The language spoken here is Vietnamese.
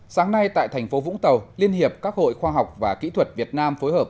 sáng nay tại tp vũng tàu liên hiệp các hội khoa học và kỹ thuật việt nam phối hợp